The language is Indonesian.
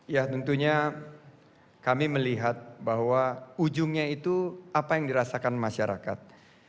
ya tentunya kami melihat bahwa ujungnya itu apa yang dirasakan masyarakat